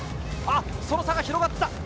あっ、その差が広がった。